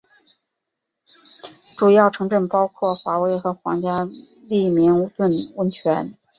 主要城镇包括华威和皇家利明顿温泉。